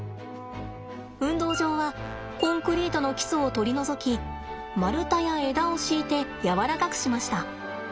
運動場はコンクリートの基礎を取り除き丸太や枝を敷いて柔らかくしました。